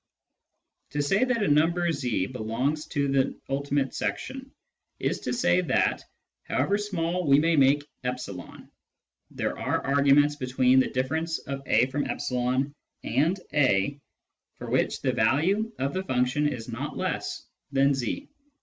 To say that a number z belongs to the ultimate section is to say that, however small we may make e, there are arguments between a— e and a for which the value of the function is not less than z.